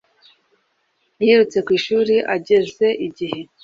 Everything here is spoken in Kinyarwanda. Yirutse ku ishuri ageze igihe